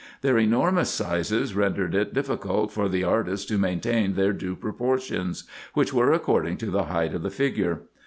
Their enormous sizes rendered it difficult for the artists to maintain their due proportions, which were according to the height of the figure.